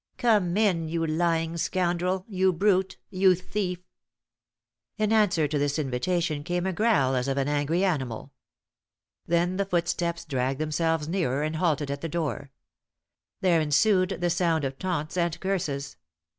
Come in, you lying scoundrel, you brute, you thief!" In answer to this invitation came a growl as of an angry animal. Then the footsteps dragged themselves nearer and halted at the door. There ensued the sound of taunts and curses.